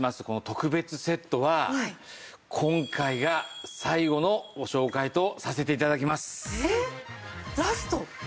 この特別セットは今回が最後のご紹介とさせて頂きます。えっ！？ラスト？